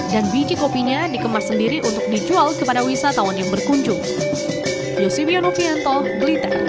dan biji kopinya dikemas sendiri untuk dijual kepada wisatawan yang berkunjung